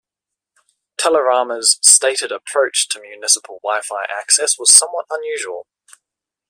Telerama's stated approach to municipal Wi-Fi access was somewhat unusual.